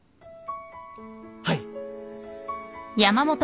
はい。